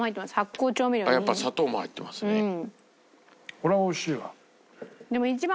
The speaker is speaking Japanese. これはおいしいわ。